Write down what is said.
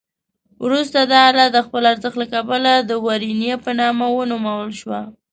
وروسته دا آله د خپل ارزښت له کبله د ورنیه په نامه ونومول شوه.